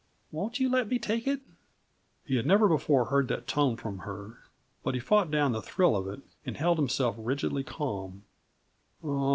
Won't you let me take it?" He had never before heard that tone from her; but he fought down the thrill of it and held himself rigidly calm.